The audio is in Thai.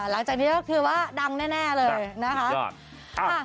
หลังจากนี้ก็คือว่าดังแน่เลยนะคะ